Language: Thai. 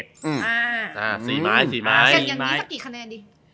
สี่ไม้สี่ไม้กันอย่างนี้สักกี่คะแนนดิ